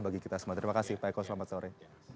bagi kita semua terima kasih pak eko selamat sore